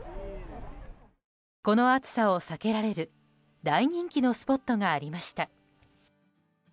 この暑さを避けられる大人気のスポットがありました。